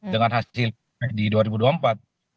dengan hasil di dua ribu dua puluh empat